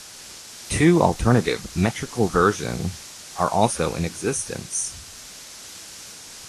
Two alternative metrical version are also in existence.